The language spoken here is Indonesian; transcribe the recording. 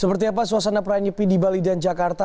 seperti apa suasana perayaan nyepi di bali dan jakarta